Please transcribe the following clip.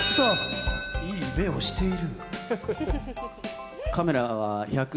いい目をしている。